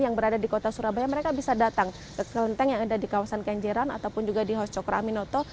yang berada di kota surabaya mereka bisa datang ke kelenteng yang ada di kawasan kenjeran ataupun juga di hos cokro aminoto